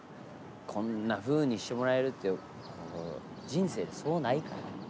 こんなふうにしてもらえるってこと人生でそうないから。